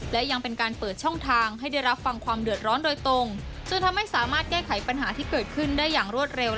และยังเป็นการเปิดช่องทางให้ได้รับฟังความเดือดร้อนโดยตรง